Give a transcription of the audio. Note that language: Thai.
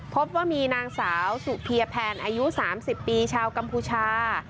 พบว่ามีนางสาวสุเพียแพนอายุ๓๐ปีชาวกัมพูชา